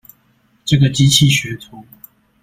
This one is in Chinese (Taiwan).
這個機器學徒